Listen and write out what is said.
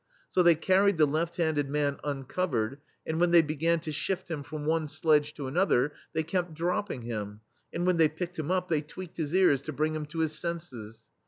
So they carried the left handed man uncovered, and when they began to shift him from one sledge to another they kept dropping him, and when they picked him up they tweaked his ears to bring him to his senses.